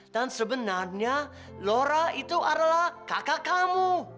dan sebenarnya laura itu adalah kakak kamu